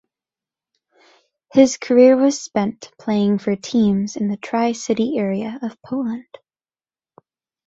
His career was spent playing for teams in the Tricity area of Poland.